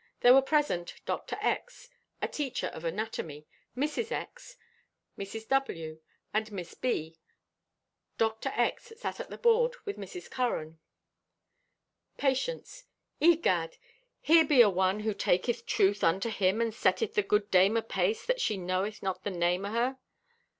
There were present Dr. X., a teacher of anatomy, Mrs. X., Mrs. W. and Miss B. Dr. X. sat at the board with Mrs. Curran: Patience.—"Eh, gad! Here be a one who taketh Truth unto him and setteth the good dame apace that she knoweth not the name o' her.